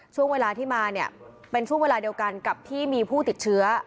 ช่วงเวลาที่มาเนี่ยเป็นช่วงเวลาเดียวกันกับที่มีผู้ติดเชื้อ